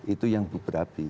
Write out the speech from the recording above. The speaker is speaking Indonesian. itu yang berapi